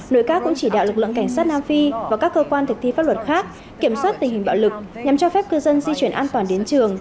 nội các cũng chỉ đạo lực lượng cảnh sát nam phi và các cơ quan thực thi pháp luật khác kiểm soát tình hình bạo lực nhằm cho phép cư dân di chuyển an toàn đến trường